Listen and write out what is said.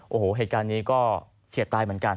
โอ้โหเหตุการณ์นี้ก็เสียดตายเหมือนกัน